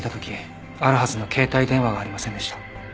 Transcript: あるはずの携帯電話がありませんでした。